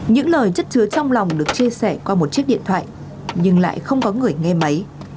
những lời chất chứa trong lòng được chia sẻ qua một chiếc điện thoại nhưng lại không có người nghe máy